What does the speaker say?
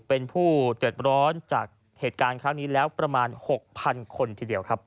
เป็นผู้เดือดร้อนจากเหตุการณ์ครั้งนี้แล้วประมาณ๖๐๐คนทีเดียวครับ